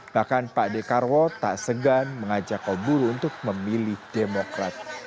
bahkan pak dekarwo tak segan mengajak kaum buruh untuk memilih demokrat